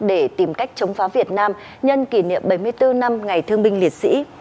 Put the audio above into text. để tìm cách chống phá việt nam nhân kỷ niệm bảy mươi bốn năm ngày thương binh liệt sĩ